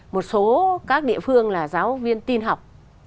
một số các địa phương là giáo viên tin học